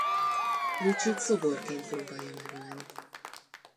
Richie-t szoborként próbálja megölni.